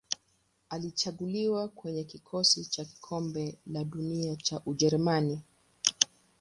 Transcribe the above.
Alichaguliwa kwenye kikosi cha Kombe la Dunia cha Ujerumani.